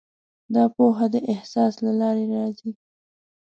دا پوهه د احساس له لارې راځي.